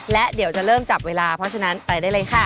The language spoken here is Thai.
และเดี๋ยวจะเริ่มจับเวลาเพราะฉะนั้นไปได้เลยค่ะ